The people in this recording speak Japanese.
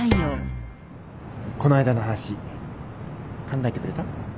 この間の話考えてくれた？